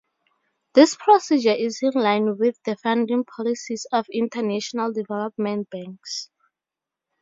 This procedure is in line with the funding policies of international development banks.